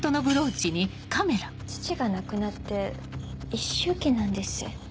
父が亡くなって一周忌なんです。